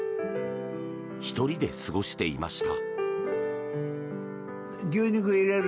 １人で過ごしていました。